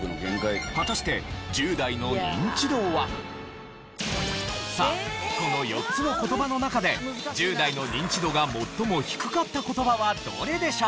果たしてさあこの４つの言葉の中で１０代のニンチドが最も低かった言葉はどれでしょう？